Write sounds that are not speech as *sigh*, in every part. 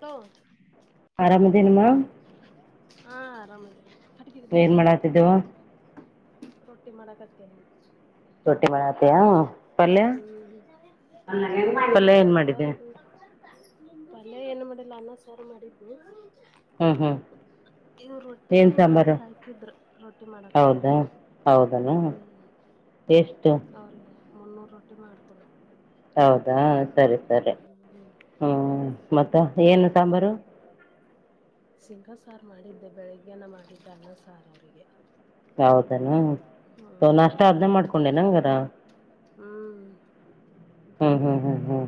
hello ಆರಾಮದಿನಮ್ಮ ರ ರೊಟ್ಟಿ ಮಾಡಕತ್ತ ರೊಟ್ಟಿ ಮಾಡಾತಿಯ ಪಲ್ಯ ಹ್ಮ್ ಅಲ್ಲೆ ಏನು ಪಲ್ಯ ಏನ್ ಮಾಡಿಲ್ಲ ಮಾಡಿದ್ದೆ ಅದು ಪಲ್ಯ ಏನು ಮಾಡಿಲ್ಲ ಅನ್ನ ಸಾರ ಮಾಡಿದ್ನಿ ಹ್ಮ ಹಾ ಇದು ರೊಟ್ಟಿ ಮಂದಿ ಹಾಕಿದ್ರು ರೊಟ್ಟಿ ಮಾಡಕತ್ತಿದ್ ಹೌದಾ ಹೌದನಾ ಹ್ಮ ಎಷ್ಟು ಮುನ್ನೂರು ರೊಟ್ಟಿ ಮಾಡ್ಕೊ ಹೌದಾ ಸರಿ ಸರಿ ಹ್ಮ್ ಹ್ಮ ಮತ್ತ ಏನು ಸಾಂಬಾರು ಸಿಂಗ ಸಾರ್ ಮಾಡಿದ್ದೆ ಬೆಳಗ್ಗೆನ್ನ ಮಾಡಿದ್ದೆ ಅನ್ನ ಸಾರ್ ಅವರಿಗೆ ಹೌದನಾ ನಷ್ಟ ಹ್ಮ್ ಆದನ ಇವ್ರಿಗೆ ಮಾಡ್ಕೊಂಡೆ ನಂಗಾರ ಹ್ಮ್ ಹ್ಮ್ ಹ್ಮ್ ಹ್ಮ್ ಹ್ಮ್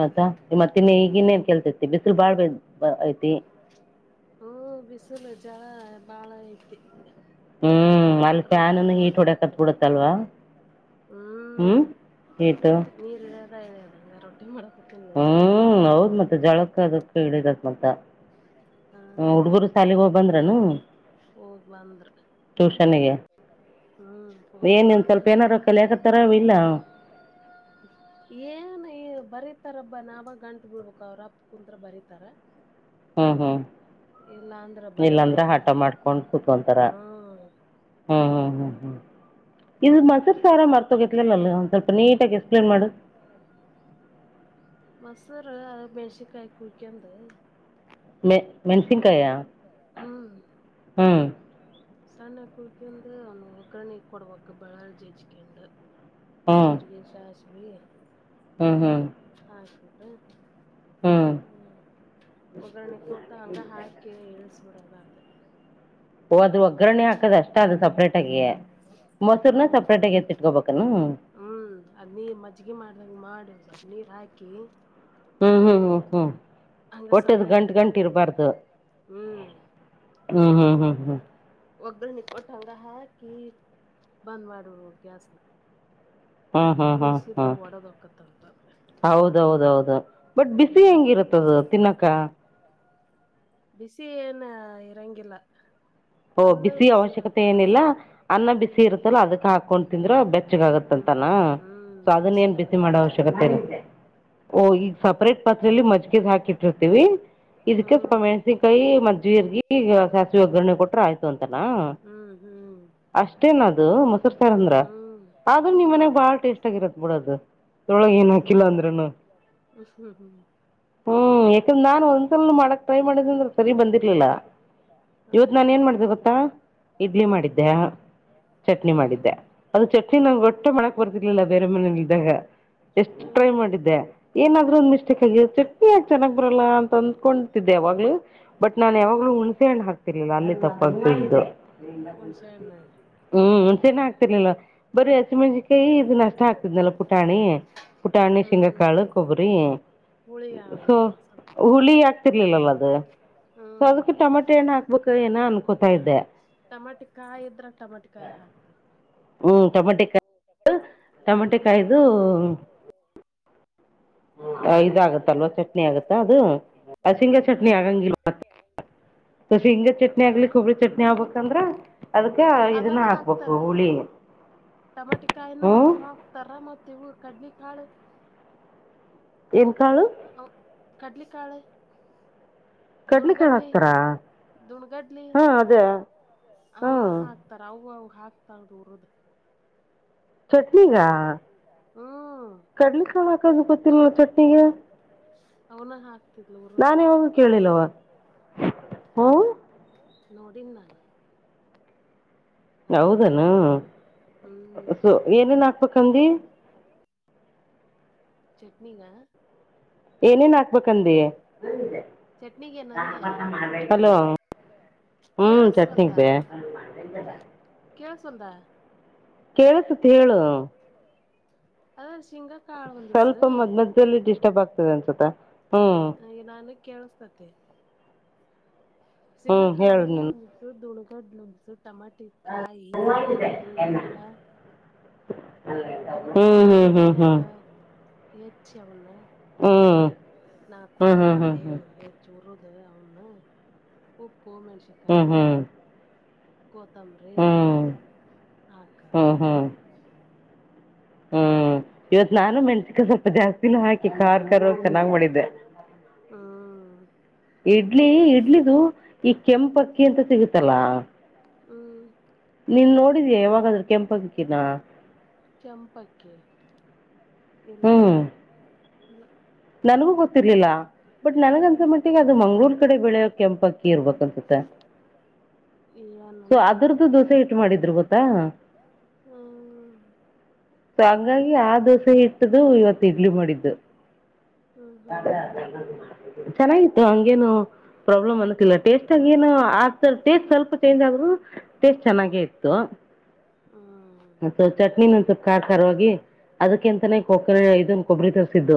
ಮತ್ತ ಮತ್ತೆ ಇನ್ನೆ ಈಗಿನ್ನೇನ್ ಕೆೇಲ್ತ ಬಿಸಲು ಬಾಳ್ ಬ ಐತಿ ಚಲ ಬಾಳ ಐತತಿ ಹ್ಮ್ ಅಲ್ಲಿ ಫ್ಯಾಳಳನನ್ನು ಹೀಟ್ ಷಕಹೊಡಕತ್ ಮಾಡಕತ್ತೇನಿ ಬಿಡತ್ತಲ್ವಾ ಹ್ಮ್ ಹತ ಅ ಹೇಳಿ ಅದಗೆ ರೊಟ್ಟಿ ಮಾಡ ಹ್ಮ್ ಹೌದ್ ಮತ್ತೆ ಜಳಕ್ಕೆ ಅದಕ್ಕೆ ಇಡಿದತ್ ಮತ್ತ ಹ್ಮ ಹ್ಮ್ ಹುಡುಗರು ಸಾಲಗೆ ಹೋಗಬಂದ್ರನು ಹೋಗ್ ಬಂದ್ರ ಟ್ಯೂಷನ್ಗೆ ಹ್ಮ್ ಹೋಗ್ ಏನ ಇನ್ ಬಂದ್ರ ಸ್ವಲ್ಪ ಏನಾರೂ ಕಲೆ ಹಾಕತ್ತಾರ ಇಲ್ಲ ಏನ್ ಈ ಬರೀ ಹತಾರಬ್ಬ ನಾವಾಗ ಗಂಟು ಬಿೀಳ್ಬೇಕ ಅವ್ರಪ್ಪ ಕುಂ ಬರೀತಾರ ಹ್ಮ್ ಹ್ಮ್ ಇಲ್ಲ ಅಂದ್ರ ಬರೆಯೋದೇ ಇಲ್ಲಾಂದ್ರೆ ಇಲ್ಲ ಆಟ ಮಾಡ್ಕೊಂಡು ಕುೂತ್ೊಂತಾರ ಹ್ಮ್ ಹ್ಮ್ ಹ್ಮ್ ಹ್ಮ ಹ್ಮ ಇದು ಮಾ ಸರ್ ಾರ ಮರ್ತೋಗಿತ್ಲಲ್ಲ ಒಂದ್ ಸ್ವಲ್ಪ ನೀಟಾಗಿ ಎಕ್ಸ್ಪ್ಲೇನ್ ಮಾಡು ಸರ ಮೆಣ್ಸಿಕಾಯಿ ಕುಳಿಕಂದ ಮ ಮೆನ್ಸಿಿನಕಾಯಾ ಹ್ಮ್ ಹ್ಞ ಸಣ್ಣ ಕುಳಿಕಂದು ಅವ ಒಗ್ರಣೆ ಕೊಡವಾಕ ಬೆಳ ಜಜಿಕೆು ಹ್ಮ್ ಜೀರಿಗೆಗೆ ಚಸ್ ಭ ಹ್ಮ್ ಹ್ಮ್ ಹ ಹ್ಮ್ ಹ್ಮ ಒಗ್ಗರಣೆ ಕೊಟ್ಟ ಹಂಗ ಹಾಕಿ ಎಳ್ಸ ಕೂಡದ ಅದೆ ಅದು ಒಗ್ಗರಣೆ ಹಾಕದಷ್ಟ ಅದು ಸಪ್ರೇಟಾಗಿ ಮೊಸರ್ನ ಹ್ಮ್ ಸಪ್ರೇಟಾಗಿಿ ಎತ್ತಿಟ್ಕೋಬೇಕ ಹ್ಮ್ ಅದ್ ನೀ ಮಜ್ಜಗಿ ಮಾಡ್ದಂಗ ಮಾಡ ಸ್ವಲ್ಪ ನೀರು ಹಾಕಿ ಹ್ಮ್ ಹ್ಮ್ ಹ್ಮ್ ಹ್ಮ್ ಹಂಗ ಕೊಟ್ಟದ ಸಪ್ರೇಟ್ ಗಂಟು ಗಂಟಿ ಇಟ್ಕೋಬೇಕು ಇರ್ಬಾರ್ದು ಹ್ಮ್ ಹ್ಮ್ ಹ್ಮ್ ಹ್ಮ್ ಹ್ಮ್ ಒಗ್ರ ನಿಕ ಅವರ ಹ ಕ ಬಂದ ಮಾಡಡುವ ಗ್ಯಾಸ್ ನ ಹ್ಮ್ ಹ್ಮ್ ಹ್ಮ್ ಹ್ಮ್ ಹೊಕ್ಕತ್ತಂತ ಹೌದೌದೌದು ಬಟ್ ಬಿಸಿ ಹ್ಮ್ ಹೆಂಗಿರುತ್ತದು ತಿನ್ನಕ ಬಿಸಿಿಏನ ಇರಂಗಿಲ್ಲ ಓ ಅನ್ನ ಬಿಸಿ ಅವಶ್ಯಕತೆ ಇರುತ್ತಲ್ಲ ಏನಿಲ್ಲ ಅನ್ನ ಬಿಸಿ ಹ್ಮ್ ಇರುತ್ತಲ್ಲ ಅದಕ್ ಹಾಕೊಂಡು ತಿಂದ್ರ ಬೆಚ್ಚಗ ಹ್ಮ್ ಆಗತ್ತಂತೆ ಂತಾನ ಹ್ಮ್ ಸೊ ಅದನ್ನ ಏನ್ ಬಿಸಿ ಅನ್ನಕ್ಕ ಮಾಡೋ ಚಲೋ ಅವಶ್ಯಕತೆ ಆಗುತ್ತೆ ಇರು ಓ ಈಗ ಹ್ಮ್ ಸಪ್ರೇಟ್ ಪಾತ್ರೆಯಲ್ಲಿ ಮಜ್ಜಗದ್ ಹಾಕಿಟ್ಟಿರ್ತೀವಿ ಇದಕ್ಕೆ ಸ್ಪ ಹ್ಮ್ ಹಸ ಕಾಯಿ ಮ್ ಜೀರ್ಗಿ ಸಾಸಿವೆ ಒಗ್ಗರಣೆ ಕೊಟ್ರ ಆಯ್ತು ಅಂತಲ್ಲ ಹ್ಮ್ ಹ್ಮ್ ಅಷ್ಟೇನ ಅದು ಮೊಸರು ಸಾರ್ ಅಂದ್ರ ಹ್ಮ್ ಆದ್ರೂ ನಿಮ್ ಮನ್ಯಾಗ ಹ್ಮ್ ಬಾಳ ಟೇಸ್ಟ್ ಆಗಿರತ್ತತ್ ಬಿಡದು ತೊಳಗ ಏನುಾಕಿಲ್ಲ ಅಂದ್ರನು ಹ್ಮ್ ಹ್ಮ್ ಹ್ಮ್ ಯಕ ನಾನು ಒಂದು ಮಡಕ್ತ ಮಾಡಿದ ಅಂದ್ರೆ ಸರಿ ಬಂದಿರ್ಲಿಲ್ಲ ಇವತ್ತು ಹೌದಾ ನಾನ ಏನ್ ಮಾಡಿದೆ ಗೊತ್ತಾ ಇಡ್ಲಿ ಹ್ಮ್ ಮಾಡಿದ್ದೆ ಚಟ್ನಿ ಹ್ಮ್ ಮಾಡಿದ್ದೆ ಅದು ಚಟ್ನಿ ನಾವ ಗಟ್ಟೆ ಮಾಡಕ್ ಬರ್ತಿರ್ಲಿಲ್ಲ ಬೇರೆ ಮನೇಲಿ ಇದ್ದಾಗ ಎಷ್ಟು ಟ್ರೈ ಹ್ಮ್ ಮಾಡಿದ್ದೆ ಏನಾದ್ೂ ಒಂದ್ ಮಿಸ್ಟೇಕ್ ಆಗಿದೆ ಚಟ್ನಿ ಯಾಕೆ ಚೆಾಗ್ ಬರಲ್ಲ ಅಂತ ಅಂದ್ಕೊತಿದ್ದೆಾಗ ್ ಬಟ್ ನಾನ್ ಯಾವಾಗ್ಲೂ ಹ್ಮ್ ಹುಣಸೆ ಹಣ್ಣು ಹಾಕ್ತಿರ್ಲಿಲ್ಲ ಅಲ್ಲಿ ತಪ್ಪಾಗತ ಹ್ಣ ಹ್ಮ್ ಚೆನ್ನ ಆಗ್ತಿರ್ಲಿಲ್ಲ ಬರೀ ಹಸಿಮೆಣಜಿಕಾಯಿ ಇದು ನಷ್ಟ ಆಗ್ತಿದ್ನಲ್ಲ ಪುಟಾಣಿ ಪುಟಾಣಿ ಹ್ಮ್ ಸಿಂಗಕ್ಕಾಳ ಕೊಬ್ಬರಿ ಹುಳಿ ಸೊ ಆಗ್ಬೇಕಲ್ಲ ಸ್ವಲ್ಪ ಹುಳಿ ಹಾಕ್ತಿರ್ಲಿಲ್ಲಲ್ಲ ಅದು ಸೊ ಅದಕ್ಕೆ ಟೊಮಾಟೆ ಣ್ಣ ಹಕ್ತ ಟಮಾಟ ಕಾಯಿ ಇದ್ರೆ ಟಮಾಟಕಾಯಿ ಹಾಕ್ತಾರ ಹ್ಮ್ ಟೊಮಟ ಟಮಟೆ ಕಾಯ್ದು ಇದಾಗತ್ತಲ್ವಾ ಚಟ್ನಿ ಆಗತ್ತಾ ಅದು ಶಂಗ ಹ್ಮ್ ಚಟ್ನಿ ಹ್ಮ್ ಆಗಂಗಲ್ವ ಸ ಹಿಂಗ ಚಟ್ನಿ ಆ ಆಗ್ಲಿ ಹಬ್ಬಳಿ ಚಟ್ನಿ ಆಗ್ಬೇಕಂದ್ರ ಅದ್ಕ್ಕ ಇದನ್ನ ಹಾಕ್ಬೇಕು ಹುಳಿ ಹಾ ಟಮಾಟೆ ಕಾಯಿನ ಹಾಕ್ತಾರ ಮತ್ತ ಇವು ಕಡ್ಲಿ ಕಾಳ ಏನ್ ಕಾಳು ಕಡ್ಲಿಕಾಳ ಕಡ್ಲಿ ಕಳ ಹಾಕ್ತಾರಾ ದುಣ್ಗಡ್ಲಿ ಹಾ ಅದೇ ಅವನು ಹ್ಮ್ ಹಾಕ್ತಾರ ಅವು ಅ ಹಾಕ್ತಾರ ರದ ಚಟ್ನಗ ಹ್ಮ್ ಕಡ್ಲಿ ಕಳ ಹಾಕದು ಗೊತ್ತಿಲ್ಲ ನ ಚಟ್ನಿಿಗೆ ಅವನ ಹಾ ನಾನೇಾವಾಗ ಕೇಳಿಲ್ಲವ ಹ ನೋಡಿಂದ ನಾನ ಹೌದಾನ ಹ್ಮ್ ಸೊ ಏನೇನ್ ಹಾಕ್ಬೇಕಂದಿ ಚಟ್ನಗ ಏನೇನ್ ಹಾಕ್ಬೇಕಂದಿ ಚಟ್ನಿಗೆ ನಂದೆ ಹಲೋ ಕೇಳ ಹ್ಮ್ ಸ್ವಂದ ಚಟ್ನಿಗೆ ಕೇಳಸಂದ ಕೇಳಸತ್ ಹೇಳು ಹ ಸ್ವಲ್ಪ ಮದ್ ಮದದಲ್ಲಿ ಡಿಸ್ಟರ್ಬ್ ಆಗ್ತದೆ ಅನ್ಸತ ಹ್ಮ್ ಕೆೇಳಸತತೆ ಸಿಂಗ ಹ್ಮ್ ಕಾಳ ಹೇಳು ಒು ನೀನು ದದುಳಗಡ್ ಟಮಾಟಿ ಕಾಯಿ ಹುರುಿದ ಎಣ್ಣ್ಯಾಗ ಹ್ಮ್ ಹ್ಮ್ ಹ್ಮ್ ಹ್ಮ್ ಹೆಚಿ ಅವನ್ನ ನಾ ಕೋಳ ಹ್ಮ್ ಹ್ಮ್ ಹ್ಮ್ ಹ್ಮ್ ಹ್ಮ್ ಹ್ಮ್ ಹ್ಮ್ ಮಾಡಿ ಹೆಚ್ಚ ಉರುದ ಅವನು ಉ ಪೂ ಮೆಣಸಕಾಯಿ ಹ್ಮ್ ಕೋತಂಬ್ರಿ ಆಕದ ಹ್ಮ್ ಹ್ಮ್ ಹ್ಮ್ ಇವತ್ ನಾನು ಮೆಣಸಕಾಯ ಸ್ವಲ್ಪ ಜಾಸ್ತಿನೂ ಹಾಕಿ ಾರ್ ಕಾರ್ ಚೆನ್ನಾಗ್ ಮಾಡಿದ್ದೆ ಹ್ಮ್ ಇಡ್ಲಿ ಇಡ್ಲಿದು ಈ ಕೆಂಪಕ್ಕಿ ಅಂತ ಸಿಗುತ್ತಲ್ಲಾ ಹ್ಮ್ ನೀನ್ ನೋಡಿದೀಯಾ ಯಾವಾಗಾದ್ರೂ ಕೆಂಪ ಅಕ್ಕಿನ ಕೆ ಹ್ಮ್ ಇಲ್ಲ ನನಗೂ ಗೊತ್ತಿರ್ಲಿಲ್ಲ ಬಟ್ ನನಗ ಅನ್ಸ ಹ್ಮ್ ಮಟ್ಟಿಗೆ ಅದು ಮಂಗಗಳೂರ್ ಕಡೆ ಬೆಳೆಯೋ ಕೆಂಪ ಅಕ್ಕಿ ಇರ್ಬೇಕನ್ಸುತ್ತ ಸೊ ಏನನ ಅದ್ರ್ದು ದೋಸೆ ಹಟ್ಟು ಮಾಡಿದ್ರು ಗೊತ್ತಾ ಹ್ಮ್ ಸೊ ಹಂಗಾಗಿ ಆ ದೋಸೆ ಇಟ್ಟ್ದು ಇವತ್ ಇಡ್ಲಿ ಮಾಡಿದ್ದು ಹ್ಮ್ ಹ್ಮ್ ಚೆನ್ನಾಗಿತ್ತು ಹಂಗೇನು ಪ್ರಾಬ್ಲಮ್ ಅನ್ಕಿಲ್ಲ ಟೇಸ್ಟಗ ಏನು ಆ ಟೇಸ್ಟ್ ಸ್ವಲ್ಪ ಚೇಂಜ್ ಆದ್ರೂ ಟೇಸ್ಟ್ ಚೆನ್ನಾಗೇ ಇತ್ತು ಹ ಹ್ಮ್ ಸೊ ಚಟ್ನಿ ಒಂದ ಸ್ವಲ್ಪ ಕಾಖರವಾಗಿ ಅದಕ್ಕೆಂತ ೋಕ ಇದೊಂದು ಕೊಬ್ಬರಿ ತರ್ಸಿದ್ದು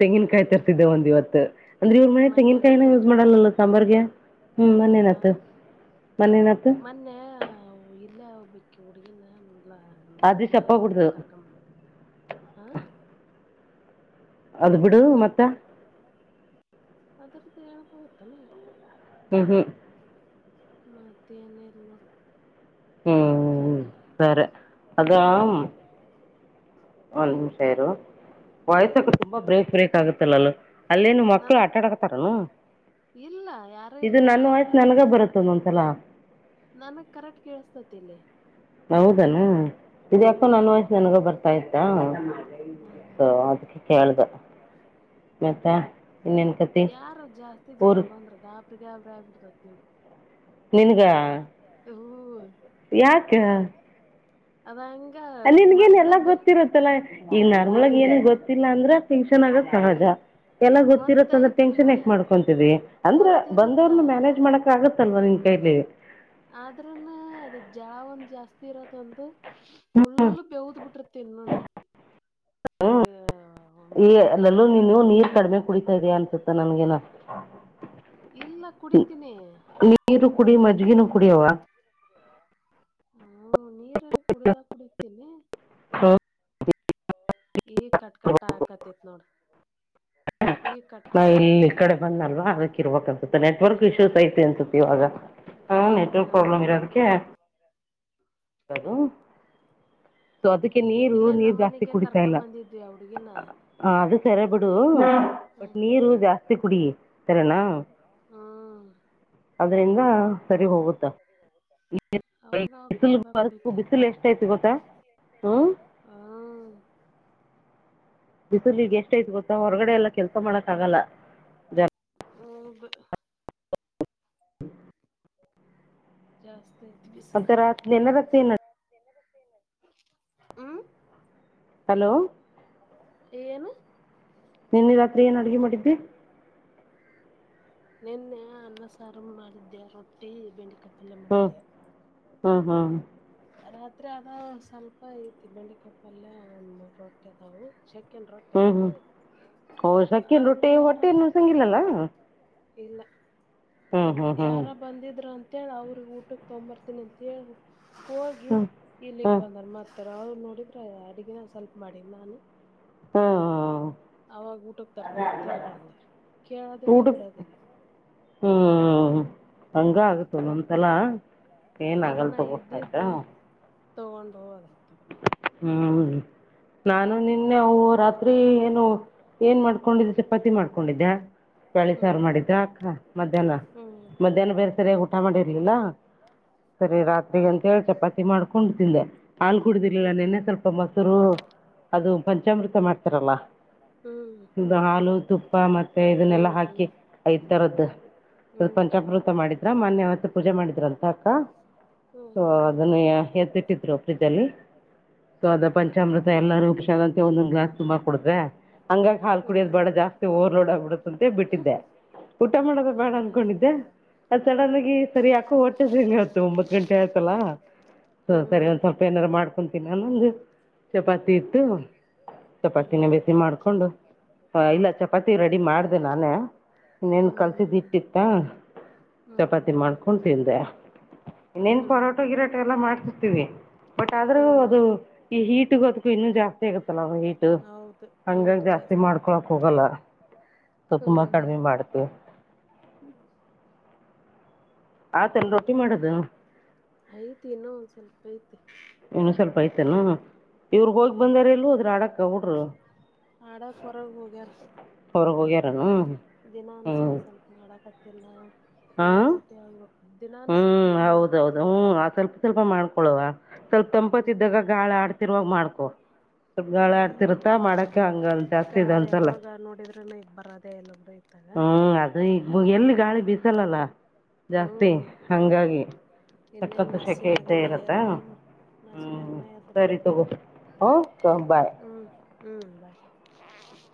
ತೆಂಗಿನಕಾಯಿ ಹ್ಮ್ ತರ್ರಿಸಿದ್ದೆ ಒಂದ್ ಇವತ್ತು ಅಂದ್ರೆ ಇವ್ರ ಮನೆ ತೆಂಗ ಮೊನ್ನೆ ನ್ ಕೈ ಏನತ್ತ ಯೂಸ್ ಗೊತ್ತಾ ಮಾಡಲ್ಲಲ್ಲ ಸಾಂಬಾರ್ಗೆ ಹ್ಮ್ ಆ ಮೊೇನತ ಮೊನ್ನೆ ಇಲ್ಲೇ ಹಬಕ್ಕೆ ಹುಡುಗಿಿನ ಎಲ್ಲ ಅದು ಮದಮಾಗಳ ಮೇಡ ಚಪ್ಪಾಗಿಡ್ದು ಕರ್ಕ ಮಂದ ಹ ಅದು ಬಿಡು ಮತ್ತ ಆದರದದ್ದೆ ಹೇಳ್ಬೋಡಿತ್ತಲ್ಲ ಹ ಹ ಹ್ಮ್ ಮತ್ತೇನಿಲ್ವ ಹ್ಮ್ ಸರೇ ಅದಮ್ ಒಂದು ನಿಮಿಷ ಇರು ವಯಸ್ಸಕ್ ತುಂಬಾ ಬ್ರೇಕ್ ಬ್ರೇಕ್ ಆಗುತ್ತಲ್ಲಲ್ಲ ಅಲ್ಲೇನು ಮಕ್ಕಳು ನನಗ್ ಆಟಾಡಕ್ತಾರನು ಇಲ್ಲ ಯಾರು ಇದು ಇಲ್ಲ ನನ್ನ ವಯ್ಸು ನನಗ ಬರುತ್ತದ ಒಂದಸಲ ನನಗ್ ಕರೆಕ್ಟ್ ಕೇಳಸ್ತತಿಲ್ಲಿ ಹೌದಾನ ಇದ್ಯಾಕೋ ನನ್ ವಯಸ ನನ್ಗ ಬರ್ತಾ ಇತಾ ಹ್ಮ್ ಸ ಹ್ಮ್ ಅದಕ್ಕೆ ಕೇಳ್ದ ಮತ್ತಾ ಯಾರ ಜಾಸ್ತಿ ಜನ ಊರು ಬಂದ್ರ ಗಾಬ್ರಿ ಗಾಬ್ರಿ ಆಗ್ಬಿಡ್ತತ್ ನನ್ ನಿನಗ ಯಾಕ ಅದಾ ನಿಮಗೇನ್ ಎಲ್ಲಾ ಗೊತ್ತಿರುತ್ತಲ್ಲಾ ಈ ನಾರ್ಮಲ್ಗ ಏನ ಗೊತ್ತಿಲ್ಲ ಅಂದ್ರ ಫೆಂಕ್ಷನ್ ಆಗ ಸಹಜ ಎಲ್ಲ ಗೊತ್ತಿರತ್ತ ಅಂದ ಗೊತ್ತೈತ್ ಟೆನ್ಷನ್ ಬಿಡು ಯಾಕ್ ಮಾಡ್ಕೊಂತಿದವಿ ಅಂದ್ರ ಗೊತ್ತಿರುತ್ತ ಬಂದವ್ರನು ಮ್ಯಾನೇಜ್ ಮಾಡಕ ಆಗತ್ತಲ್ವಾ ನಿನ್ ಕ ಆದ್ರನ ಅದ ಜಳ ಒಂದ ಜಾಸ್ತಿ ಇರತ್ ಅಂತು ಫುಲ್ ಹ್ಞೂ ಬೀವತ್ ಬಿಟಿರುತ್ತ ನೋಡು ಹ್ಮ್ ಈ ಅಲ್ಲಲ್ಲೂ ನೀನು ಅದ್ ನೀರ್ ಕಡಿಮೆ ಕುಡಿತಾ ಇದಯಾ ಅನ್ಸುತ್ತೆ ನನ್ಗೆನ ಇಲ್ಲ ಕುಡಿತೀನಿ ನೀರು ಕುಡಿ ಮಜ್ಗಿನು ಕುಡಿಯವಾ ಹ್ಮ ನೀರ್ ಕುಡಿದ ಕುಡತೀನಿ ಹ್ಞೂ ಈಏ ಕಟ್ ಕಟ್ ಕ ಹಾಕತ್ತತಿ ನೋಡ್ರ ಈಗ ಕಟ್ ಕಟ್ಟ ಆಕತ್ತತಿ ಬಂದ ಅಲ್ವಾ ಅದಕ್ಕ ಇರ್ಬೇಕ ಅನ್ಸುತ್ತೆ ನೆಟ್ವರ್ಕ್ ಹ್ಮ್ ಇಶ್ಯೂಸ್ ಐತಿ ಅನ್ಸುತ್ತ ಇವಾಗ ಹ ನೆಟ್ವಕ್ ಪ್ರಾಬ್ಲಮ ಹ್ಮ್ ಇರೋದಕ್ಕೆ ಹಲೋ ಅದಕ್ಕೆ ನೀರು ಇಲ್ಲೇ ನೀರ್ ಜಾಸ್ತಿ ನಮ್ಮನಿಗೆ ಕುಡಿತಾ ಇಲ್ಲ ಕರ್ಕೊಂಬಂದಿದ್ವಿ ಆ ಹುಡ್ಗಿನ ಅದು ಸರಿ ಬಿಡು ಬಟ್ ಹ್ಮ್ ನೀರು ಜಾಸ್ತಿ ಕುಡಿ ಸರಿನಾ ಹ್ಮ್ ಅದ್ರಿಂದ ಸರಿ ಹೋಗುತ್ತ ಅವಾಗವಾಗ ಕುಡ್ದ ಅದಕ್ಕೂ ಕುಡಿತೇನೆ ಬಿಸಿಲು ಎಷ್ಟ ಐತಿ ಗೊತ್ತಾ ಹ್ಮ ಹಾ ಬಿಸಿೂಲಿ ಈಗ್ ಎಷ್ಟ ಐ್ತ ಗೊತ್ತಾ ಹೊರಗಡೆ ಎಲ್ಲಾ ಕೆಲ್ಸ ಮಾಡಕ್ ಆಗಲ್ಲ ಜ ಹ್ಮ ಹ ಜಾಸ್ತ ಮಂತ ರಾತ್ರಿ ನೆನ ರಾತ್ರಿ ಏನ ಹ್ಮ್ ಹಲೋ ಏಏನು ನಿನ್ನೆ ರಾತ್ರಿ ಏನು ಅಡುಗೆ ಮಾಡಿದ್ದೆ ನಿನ್ನೆ ಅನ್ನ ಸಾರಮ್ಮ ಮಾಡಿದ್ದೆ ರೊಟ್ಟಿ ಬೆಂಡ ಕಪ್ಪ ಹ್ಮ್ ಹ್ಮ್ ಹ್ಮ್ ರಾತ್ರಿ ಅದ ಸ್ವಲ್ಪ ಐತಿ ಬೆಂಡೆ ಕಪ್ಪಲ್ಯ ರೊಟ್ಟಿ ಅದವು ಚಕ್ ಹ್ಮ್ ಹ್ಮ್ ಹೌ ಸಕನ್ ಅದು ರೊಟ್ಟಿ ಯಾರ ಹೊಟ್ಟೆನ್ನು ಸಂಗಿಲ್ಲಲ್ಲ ಇಲ್ಲ ಯಾರ ಬಂದಿದ್ರ ಅಂತೇಳ ಅವ್ರ ಊಟಕ್ಕೆ ತಗೊಂಬರ್ತೀನಿ ಅಂತ ಹೇಳ ಹೋಗಿ ಹ್ಞೂ ಇಲ್ಲಿಗೆ ಹ್ಞೂ ಬಂದರು ಮತ್ತೆ ಅವ್ರು ನೋಡಿದ್ರೆ ಅಡಗಿನ ಸ್ವಲ್ಪ ಮಾಡಿಲ್ಲ ನಾನು ಹಾ ಅವಾಗ ಊಟಕ್ ತರ್ತೀನಿ ಅಂತೇಳ್ ಬಂದ ಕೇಳದಿಲ್ಲ ಊಟಕ್ಕೆ ಬಿಡದಿಲ್ಲ *unintelligible* ಹಂಗ ಆಗುತ್ತಲ್ಲೊಂತಲ ಏನು ಆಗಲ್ ತಗೋ ಆಯ್ತಾ ತಗೊಂಡಬೋದು *unintelligible* ಹ್ಮ್ ನಾನು ನಿನ್ನೆ ಅವು ರಾತ್ರಿ ಏನು ಏನ್ ಮಾಡ್ಕೊಂಡಿದ್ದ ಚಪಾತಿ ಮಾಡ್ಕೊಂಡಿದ್ದ್ಯಾ ಬೆಳಿ ಹ್ಮ್ ಸಾರು ಮಾಡಿದ್ರ ಅಕ್ಕ ಮಧ್ಯಾಹ್ನ ಹ್ಮ್ ಮಧ್ಯಾಹ್ನ ಬೇರೆ ಸರಿಯಾಗಿ ಊಟ ಮಾಡಿರ್ಲಿಲ್ಲ ಸರಿ ರಾತ್ರಿಗ ಅಂತೇಳಿ ಚಪಾತಿ ಮಾಡ್ಕೊಂಡು ತಿಂದೆಕ ಕುಡುದಿರ್ಲಿಲ್ಲ ಹ್ಮ್ ನಿನ್ನೆ ಸ್ವಲ್ಪ ಮೊಸರು ಅದು ಪಂಚಾಮೃತ ಮಾಡ್ತಾರಲ್ಲ ಹ್ಮ್ ಇದು ಹಾಲು ತುಪ್ಪ ಮತ್ತೆ ಇದನ್ನೆಲ್ಲ ಹ್ಮ್ ಹಾಕಿ ಐ ತರದ್ದು ಸ್ವಲ್ಪ ಹ್ಮ್ ಪಂಚಾಮೃತ ಮಾಡಿದ್ರ ಮೊನ್ನೆ ಅವತ್ತು ಪೂಜೆ ಮಾಡಿದ್ರ ಅಂತ ಅಕ್ಕ ಹ್ಮ್ ಹ್ಮ್ ಸೊ ಹ್ಮ್ ಹ್ಮ್ ಹ್ಮ್ ಹ್ಮ್ ಅದನ್ನು ಎದತ್ತಿಟ್ಟಿದ್ರು ಫ್ರಿಜಲ್ಲಿ ಸೊ ಅದ ಪಂಚಾಮೃತ ಎಲ್ಲಾರೂಕ್ಷಂತೆ ಒಂದೊಂದ ಗ್ಲಾಸ್ ತುಂಬಾ ಕುಡ್ರೆ ಹಂಗಾಗಿ ಹಾಲ್ ಕುಡಿಯೋ ಬಾಳ ಜಾಸ್ತಿ ರ್ ನೋಡ ಆಗ್ಬಿಡತ್ತಂತೆ ಬಿಟ್ಟಿದ್ದೆ ಊಟ ಮಾಡೋದ ಬೇಡ ಅಂದನ್ಕೊಂಡಿದ್ದೆ ಅ ಸಡನ್ಗಿ ಸರಿ ಯಾಕೋ ಹೊಟ್ಟದ ಇವತ್ತು ಒಂಬತ್ ಗಂಟೆ ಆಯ್ತಲ್ಲಾ ಸೊ ಸರಿ ಹ್ಮ್ ಒಂದ್ ಹ್ಮ್ ಹ್ಮ್ ಸ್ವಲ್ಪ ಏನಾರು ಮಾಡ್ ತ ನಾನ ಅಂದು ಚಪಾತಿ ಇಟ್ಟು ಚಪಾತಿನ ಹ್ಮ್ ಬಿಸಿ ಮಾಡ್ಕೊಂಡು ಇಲ್ಲ ಚಪಾತಿ ರೆಡಿ ಮಾಡ ಅದದೆ ನಾನೇ ಇನ್ನೇನ್ ಕಲ್ಸಿದ ಹ್ಮ್ ಇಟ್ಟಿತ್ತ ಹ್ಮ್ ಚಪಾತಿ ಹ್ಮ್ ಮಾಡ್ಕೊಂಡತಿಂದೆ ಇನ್ನೇನ್ ಪರೋಟೋ ಹ್ಮ್ ಗಿರೋಟೆ ಎಲ್ಲ ಮಾಡ್ಸರ್ತೀವಿ ಆದ್ರೂ ಹ್ಮ್ ಅದು ಈ ಹೀಟ್ಗೊದಕು ಇನ್ನು ಜಾಸ್ತಿ ಆಗತ್ತಲ್ಲ ಅವ ಹೀಟ ಹೌದು ಈಟು ಹಂಗಜಾಸ್ತಿ ಜಾಸ್ತಿ ಮಾಡ್ಕೊಳಕ್ ಹೋಗಲ್ಲ ಸ ತುಂಬ ಹ್ಮ್ ಕಡಿಮೆ ಮಾಡತ ಆ ತನ್ ರೊಟ್ಟಿ ಮಾಡುದು ಐ್ತ ಇನ್ನು ಸ್ವಲ್ಪ ಐತ್ ಇನ್ನು ಸ್ವಲ್ಪ ಐ್ತಲ್ಲ ಇವರು ಹೋಗಿ ಹ್ಮ್ ಬಂದಾರ ಎಲ್ಲೂ ಅದ್ರ ಆಡಕ್ಕ ಹಡರು ಹಡಾ ಕೊರಗ ಹೋಗಾರ ಹೊರಗೆ ಹೋಗ್ಯಾರನು ದಿನ ಹ್ಮ್ ಸ್ವಲ್ಪ ಸ್ವಲ್ಪ ಮಾಡಕತ್ತಿಲ್ಲ ಹ ಹಾ ನೂರು ರೋಟಿ ಆಗ್ಬೇಕ ದಿನಾನು ಸ್ವಲ್ ಹ್ಮ್ ಸ್ವಲ್ಪ ಹೌದೌದು ಮಾಡಕತ್ತಿನಿ ಹ್ಆ ಸ್ವಲ್ಪ ಸ್ವಲ್ಪ ಮಾಡ್ಕೊಳುವ ಸ್ವಲ್ಪ ಹ್ಮ್ ದಂಪತಿದಾಗ ಗಾಳ ಆಡ್ತಿರ್ವಾಗ ಮಾಡ್ಕೊ ಸ್ವಲ್ಪ ಗಾಳ ಹ್ಮ್ ಆಡ್ತಿರುತ್ತಾ ಮಾಡಕ್ಕೆ ಹಂಗ ಜಾಸ್ತಿ ಇದು ಗಾಳಿ ಅನ್ಸಲ್ಲ ಯಾವಾಗ ನೋಡಿದ್ರೂನು ಈಗ್ ಬರದೇ ಎಲ್ಲ ಕೂಡ ಇ ಹ್ಮ್ ಅದು ಈಗ ಎಲ್ಲಿ ಗಾಳಿ ಬಿಸಲ ಜಾಸ್ತಿ ಹ್ಮ್ ಹಂಗಾಗಿ ಇನ್ನೇನ್ ಸಕ್ಕತ್ತುಸೆಖೆ ಇದ್ದ ಇರತ್ತಾ ನಸಿನಂಗನ ಎದ್ದ ಮಾಡಕ್ ಓಕೆ ಬಾಯ್ ಹ್ಮ್ ಹ್ಮ್ ಬ ಹ್ಮ